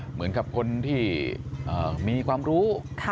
เหมือนกับคนที่มีความรู้